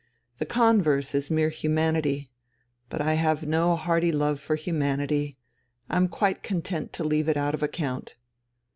The converse is mere humanity, but I have no hearty love for humanity, I'm quite content to leave it out of account.